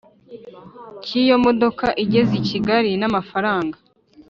cy iyo modoka igeze i Kigali n amafaranga